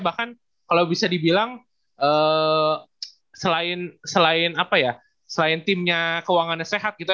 bahkan kalau bisa dibilang selain apa ya selain timnya keuangannya sehat gitu